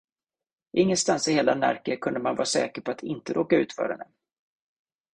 Ingenstans i hela Närke kunde man vara säker att inte råka ut för henne.